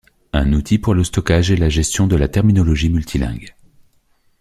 Un outil pour le stockage et la gestion de la terminologie multilingue.